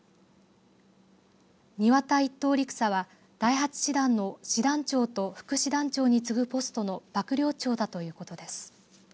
庭田１等陸佐は第８師団の師団長と副師団長に次ぐポストの幕僚長だということです。